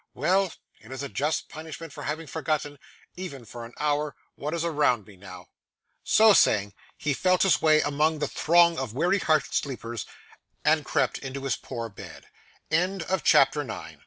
Well, it is a just punishment for having forgotten, even for an hour, what is around me now!' So saying, he felt his way among the throng of weary hearted sleepers, and crept into hi